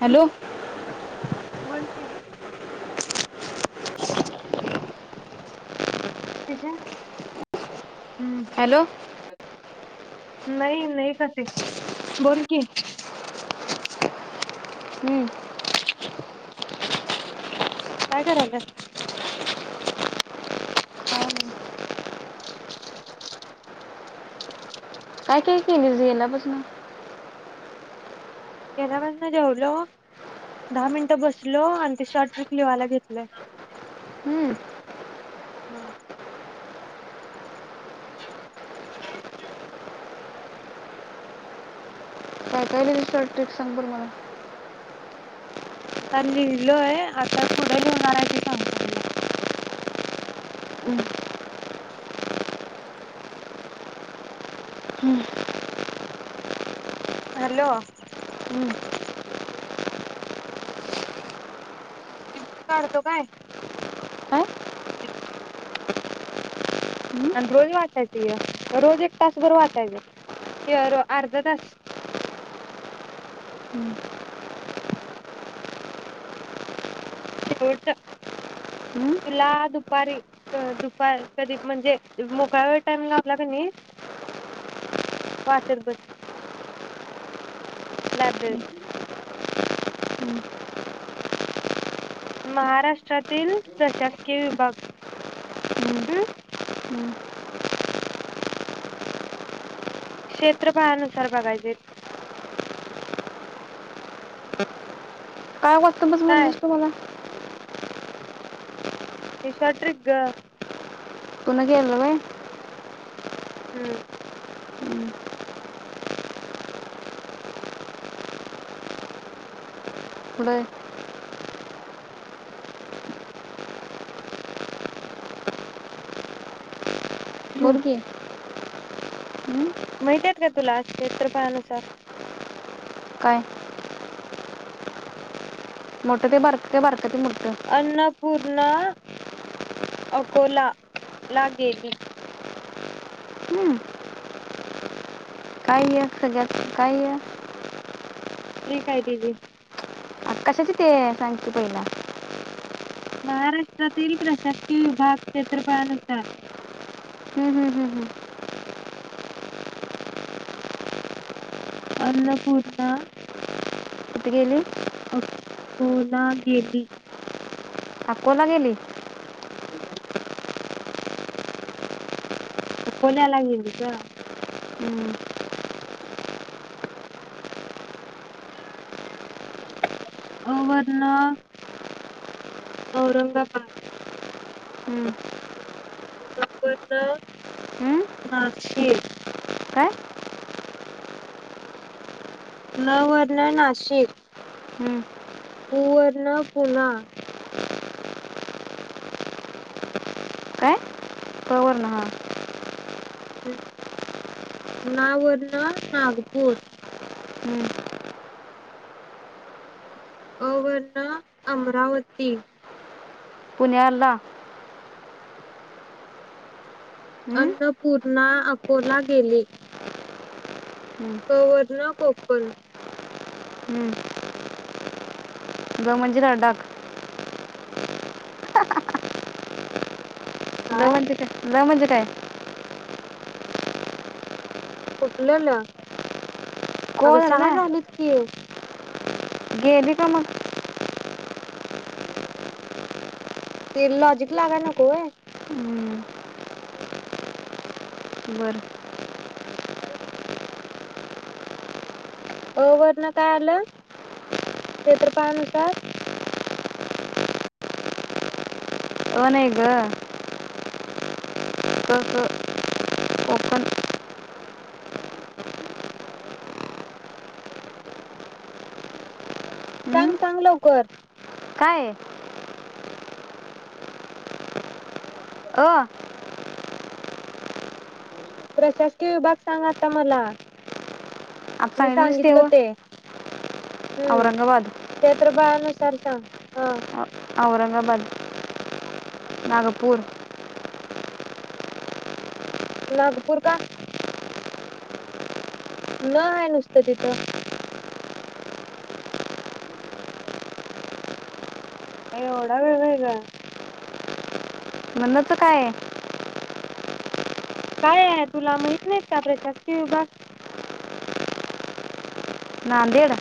Hello की. पडीत [inaudible] [inaudible] हम्म. Hello नई नई काते बोल की. हम्म. काय करायलाय? काय काय केलंस गेल्यापासन. गेल्यापासनं जेवलो, दहा मिनटं बसलो, आणि ते शॉर्ट ट्रिक लिवायला घेतलय हम्म, ह. काय केलं शॉट ट्रिक सांग बर मला. तर लिहिलय आता पुढं लिवणार आहे ती सांगत तुला. हम्म, हम्म, हॅलो, हम्म. हावरी. काढतो काय? काय एक. हम्म, आणि रोज वाचायचय रोज एक तासभर वाचायचं य [unintelligible] अर्धा तास हम्म, शेवटच हम्म, तुला दुपारी अ दुपा कधी म्हणजे मोकळा वेळ टाईम लावला क नई वाचत बस लायब्ररी. हम्म, महाराष्ट्रातील प्रशासकीय विभाग हम्म, हम्. हम्म. क्षेत्रफळानुसार बघायचे. काय वाटतं मच काय म्हणजस तु मला? हेशा ट्रिग ग. कून घवलग. हम्म. बर. मुर्गी. महितेत. का [unintelligible] तुला क्षेत्रफळानुसार. काय? मोठे ते बारक ते बारक. कधी मुडग. ना अकोला ला गेली. हम्म, काय य सजा काय य. फ्री कायतिवी. अ कशाची ते सांगते पहिला. महाराष्ट्रातील प्रशासकीय विभाग क्षेत्रफळानुसार. हम्म हम्म हम्म हम्म. अन्नपूर्णा. कती गेली. ह [inaudible] होला गेल्ली अकोला गेली [unintelligible] अकोला ला गेली ग हम्म अवरण औरंगाबाद हम्म, न वरण हम्म. नाशिक काय नवर्ण नाशिक हम्म, पु वरण पुना काय कवर ना हां ना वरण नागपूर हम्म, अ वरण अमरावती पुण्याला हम्म, अन्नपूर्णा अकोला गेले हम्म, क वरण कोकण हम्म. ग म्हणजे ग डाख लं म्हणजे काय ल म्हणजे काय ते फुठलंलं को अगं झालं सहा ना झालेत की गेली का मग तेर लॉजिक लागय नकोय हम्म, बर अ वरन काय आलं क्षेत्रफळानुसार [inaudible] अ नाही ग तर कोकण सांग हम्म, सांग लवकर काय [inaudible] [inaudible] अ प्रशासकीय विभाग सांग आता मला मी सांगितलीस सांगितलं व ते हम्म औरंगाबाद क्षेत्रफळानुसा स र सा औरंगाबाद नागपूर नागपूर का न आहे नुसतं तिथं एवढा वेळ व्हय ग मग न चं काय काय आहे तुला माहित नाही का प्रशासकीय विभाग नांदेड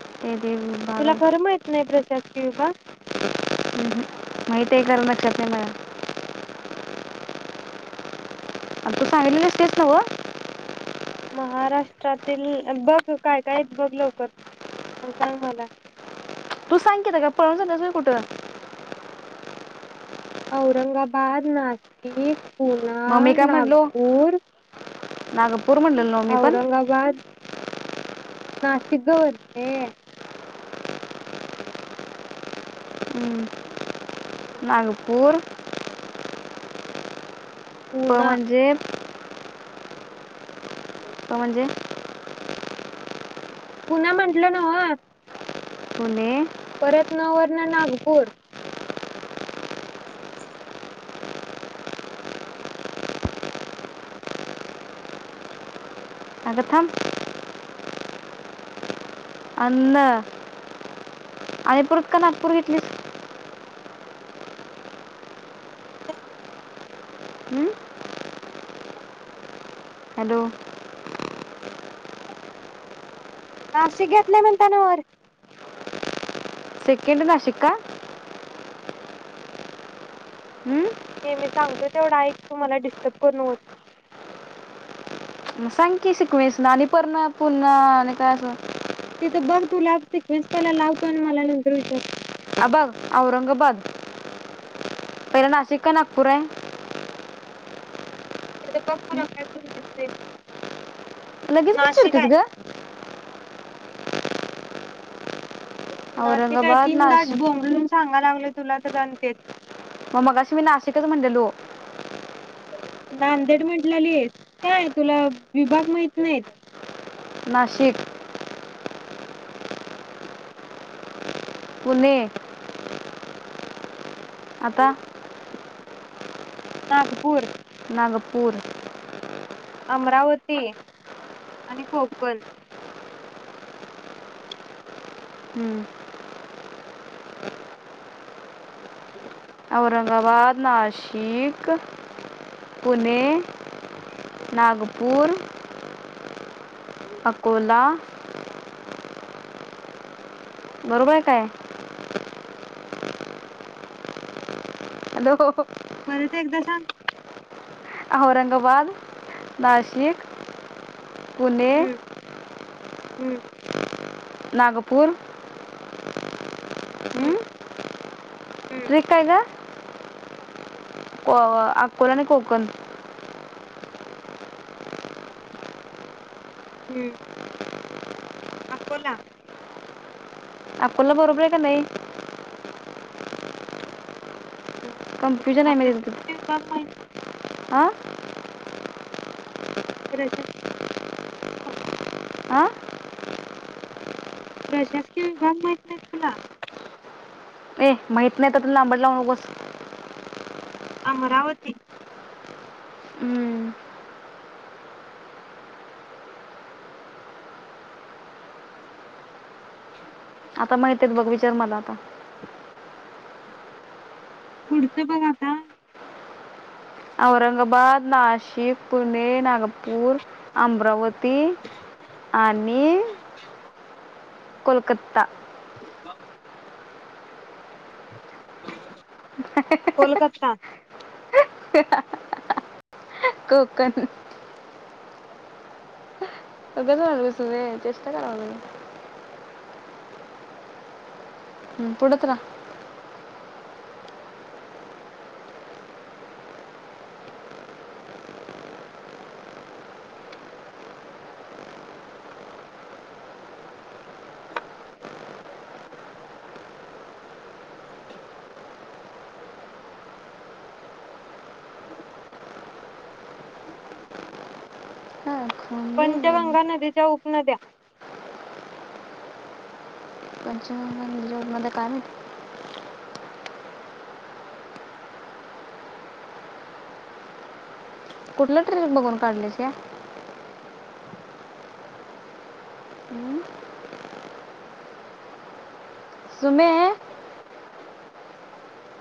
[unintelligible] भाग तुला आहे खरं माहित नाही प्रशासन क्यूबा ह माहित आहे खरं, लक्षात नाही माझ्या. आ तु सांगीतलेलीस तेच नव? महाराष्ट्रातील बघ काय? काय? हाइत बघ लवकर अन सांग मला. तू सांग किता आता पळून चालल्यास व्हय कुठ? औरंगाबाद, नाशिक पुणा, मग मी काय म्हटलो नागपूर, नागपूर म्हटलेलं ना मी पण औरंगाबाद नाशिक ग वर्षे. हम्म, नागपूर प पुणा म्हणजे पा म्हजे पुन्हा म्हंटलं नव पुणे त्यात न वरन नागपूर अग थांब. अंन अनिपूरत का नागपूर घेतलीस? हम्म, हॅलो. नाशिक घेतलय म्हणताना वर सेकंड नशिक का? हम्म, ते मी सांगतोय तेवढा ऐक तूमला डिस्टर्ब करू नकोस. म सांग की सिकवेंस ना आणि पर्ण पुन्हा आणि काय असं? तिथं बघ तुला सिक्वेन्स पहिला लावतो आणि मला नंतर विचार. अ बघ औरंगाबाद. पहिला नाशिक का नागपूराय? तेथ बघ तुला काय करू वाटते? लगेच कस चिडतीस आहे. ग? नाशिक हाय औरंगाबाद तीनदा नाश बोंबलून सांगा लागलोय तुला तर अनतेच म मागाशी मी नाशिकच म्हणलेलो. नांदेड म्हंटलेलीस. काय तुला विभाग माहित नाहीत? नाशिक [inaudible] पुणे आता नागपूर नागपूर अमरावती आणि कोकण हम्म [unintelligible] औरंगाबाद नाशिक पुणे नागपूर अकोला बरोबर काय हॅलो परत एकदा सांग औरंगाबाद नाशिक पुणे हम्म हम्म नागपूर हम्म हम्म ट्रिक अ अकोला आणि कोकण हम्म अकोला अकोला बरोबर आहे का नाही प्रशती बघ माहिती आा प्रेश हा आ प्रशासकीय विभाग माहित नाही तुला ए माहित नाही तु लांबड लावू नकोस अमरावती हम्म. ह आता माहित आहेत बघ विचार मला आता पुढचं बघ आता औरंगाबाद नाशिक पुणे पुणे नागपूर अमरावती आणि कोलकत्ता [inaudible] कोलकातता ते कोकण सध्याचण विसून र चचेष्टा कराव हम् बोलत रहा [inaudible] हा खोंदे पंचगंगा नदीच्या उपनद्या मध का कुठलं ट्रे बघून काढल्याची या सुमे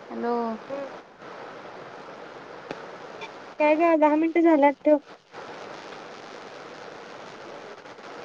हॅलो हम्म काय ग दहा मिनटं झाल्यात ठेव. [inaudible]